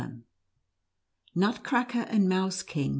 A NUTCRACKER AND MOUSE KING.